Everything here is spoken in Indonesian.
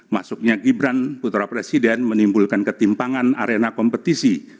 masuknya gibran putra presiden menimbulkan ketimpangan arena kompetisi